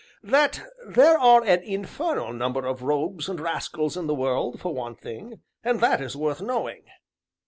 "That there are an infernal number of rogues and rascals in the world, for one thing and that is worth knowing."